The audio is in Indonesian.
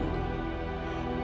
dan jangan ragu ragu